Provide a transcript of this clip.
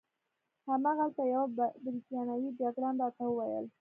هماغلته یوه بریتانوي جګړن راته وویل.